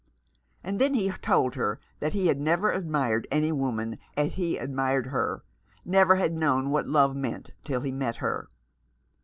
And then he told her that he had' never admired any woman as he admired her — never had known what love meant till he knew her.